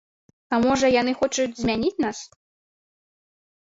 А можа, яны хочуць змяніць нас?